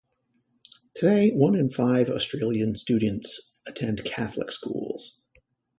Today one in five Australian students attend Catholic schools.